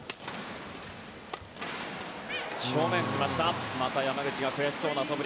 正面、来ました。